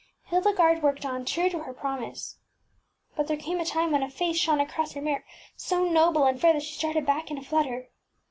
Hildegarde worked on, true to her promise. But there came a time when a face shone across her mirror so noble and fair that she started back in a flutter.